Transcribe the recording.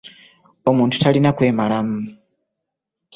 Omuntu talina kwemalamu.